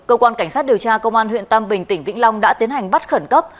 cơ quan cảnh sát điều tra công an huyện tam bình tỉnh vĩnh long đã tiến hành bắt khẩn cấp